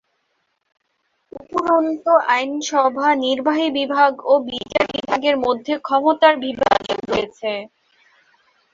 উপরন্তু আইনসভা, নির্বাহি বিভাগ ও বিচার বিভাগের মধ্যে ক্ষমতার বিভাজন রয়েছে।